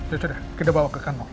ya sudah kita bawa ke kampung